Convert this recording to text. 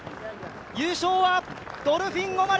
優勝はドルフィン・オマレ！